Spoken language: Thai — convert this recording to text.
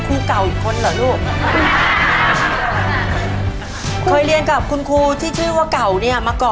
และตอนนี้หนูเรียนถึงบทที่เท่าไหร่แล้ว